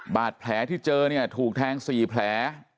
บาดแผลที่เจอเนี่ยถูกแทง๔แผล